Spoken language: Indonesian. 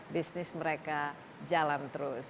bisnis mereka jalan terus